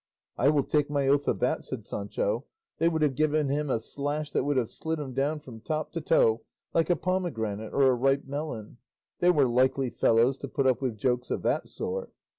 "I will take my oath of that," said Sancho; "they would have given him a slash that would have slit him down from top to toe like a pomegranate or a ripe melon; they were likely fellows to put up with jokes of that sort!